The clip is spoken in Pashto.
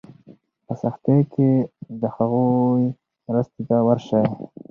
په سختۍ کې د هغوی مرستې ته ورشئ.